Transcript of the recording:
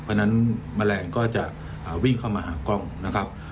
เพราะฉะนั้นแมลงก็จะวิ่งเข้ามาหากล้องนะครับ